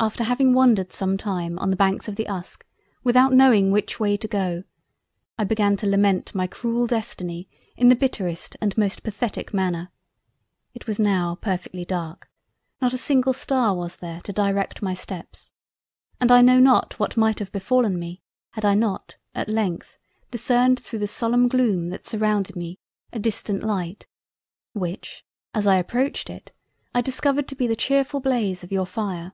"After having wandered some time on the Banks of the Uske without knowing which way to go, I began to lament my cruel Destiny in the bitterest and most pathetic Manner. It was now perfectly dark, not a single star was there to direct my steps, and I know not what might have befallen me had I not at length discerned thro' the solemn Gloom that surrounded me a distant light, which as I approached it, I discovered to be the chearfull Blaze of your fire.